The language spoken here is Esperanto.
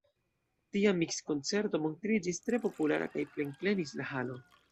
Tia miks-koncerto montriĝis tre populara kaj plenplenis la halo.